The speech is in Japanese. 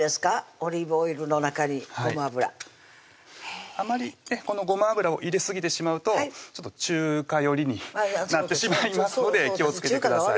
オリーブオイルの中にごま油あまりこのごま油を入れすぎてしまうとちょっと中華寄りになってしまいますので気をつけてください